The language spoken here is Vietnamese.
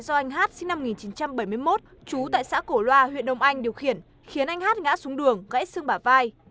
do anh hát sinh năm một nghìn chín trăm bảy mươi một trú tại xã cổ loa huyện đông anh điều khiển khiến anh hát ngã xuống đường gãy xương bà vai